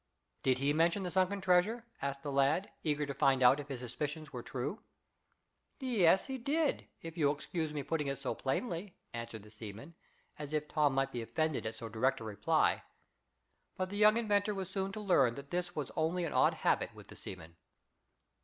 "Did he mention the sunken treasure?" asked the lad, eager to find out if his suspicions were true. "Yes, he did, if you'll excuse me putting it so plainly," answered the seaman, as if Tom might be offended at so direct a reply. But the young inventor was soon to learn that this was only an odd habit with the seaman.